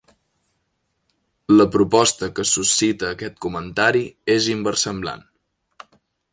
La proposta que suscita aquest comentari és inversemblant.